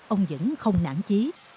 ông vẫn không nản chí